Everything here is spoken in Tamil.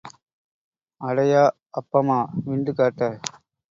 அடையா, அப்பமா, விண்டு காட்ட?